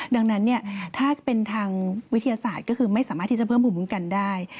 ดังนั้นถ้าเป็นทางวิทยาศาสตร์ก็คือไม่สามารถที่จะเพิ่มภูมิคุ้มกันได้